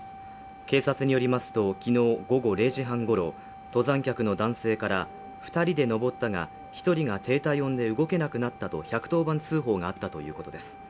警察によりますときのう午後０時半ごろ登山客の男性から二人で登ったが一人が低体温で動けなくなったと１１０番通報があったということです